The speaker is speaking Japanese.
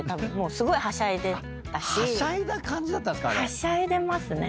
はしゃいでますね。